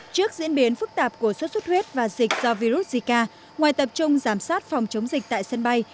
trước diễn biến phức tạp của xuất xuất huyết và dịch do virus zika ngoài tập trung giám sát phòng chống dịch tại sân bay